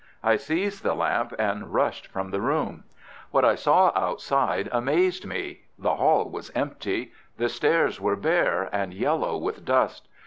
I seized the lamp and rushed from the room. What I saw outside amazed me. The hall was empty. The stairs were bare, and yellow with dust.